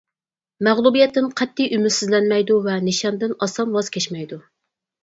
مەغلۇبىيەتتىن قەتئىي ئۈمىدسىزلەنمەيدۇ ۋە نىشاندىن ئاسان ۋاز كەچمەيدۇ.